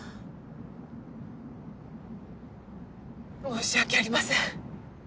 申し訳ありません。